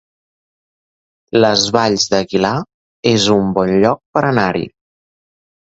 Les Valls d'Aguilar es un bon lloc per anar-hi